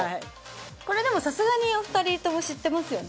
これでもさすがにお二人とも知ってますよね。